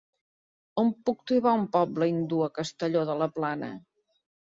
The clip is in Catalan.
On puc trobar un poble hindú a Castelló de la Plana?